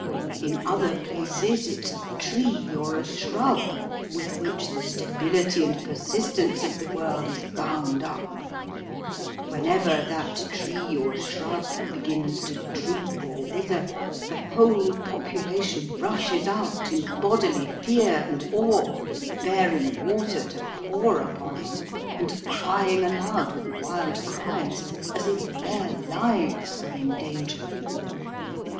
In other places, it's a tree or a shrub with which the stability and persistence of the world is bound up; whenever that tree or shrub begins to droop or wither, the whole population rushes out in bodily fear and awe, bearing water to pour upon it, and crying aloud with wild cries as if their lives were in danger.